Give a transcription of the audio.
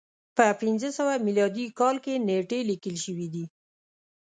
په پنځه سوه میلادي کال کې نېټې لیکل شوې دي.